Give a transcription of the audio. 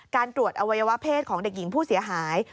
การตรวจอวัยวะเพศของเด็กหญิงผู้เสียหาย